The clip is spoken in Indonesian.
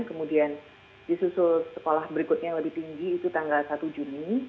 kemudian disusul sekolah berikutnya yang lebih tinggi itu tanggal satu juni